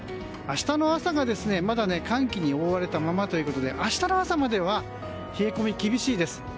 明日の朝がまだ寒気に覆われたままということで明日の朝までは冷え込み、厳しいです。